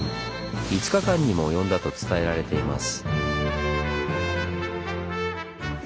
５日間にも及んだと伝えられています。